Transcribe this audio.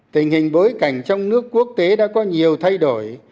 tình hình bối cảnh trong nước quốc tế đã có nhiều thay đổi